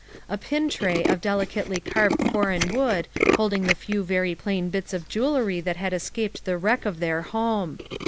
A pin tray of delicately carved foreign wood holding the few very plain bits of jewelry that had escaped the wreck of their home.